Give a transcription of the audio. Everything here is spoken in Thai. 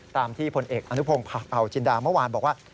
ตามที่ผลเอกอนุพงศ์เผาจินดาเมื่อวานบอกว่า